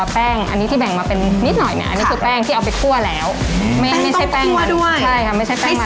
อ๋อคือพี่อาเทย์จากซองมาใช้